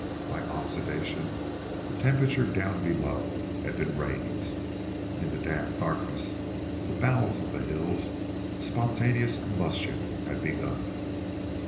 By oxidation the temperature down below had been raised. In the damp darkness of the bowels of the hills spontaneous combustion had begun.